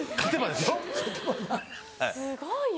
すごいな。